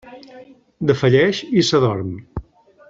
Defalleix i s'adorm.